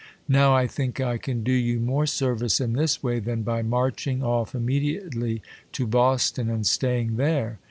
Now I think I can do you more service in this way than by marching off imm'ediately to Boston, and staying there.